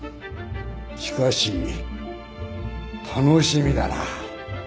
しかし楽しみだなぁ。